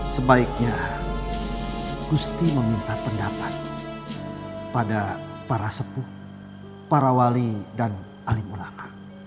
sebaiknya gusti meminta pendapat pada para sepuh para wali dan alim ulama